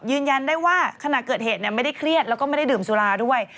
ยืนยันได้ว่าขณะเกิดเหตุไม่ได้เครียดแล้วก็ไม่ได้ดื่มสุราด้วย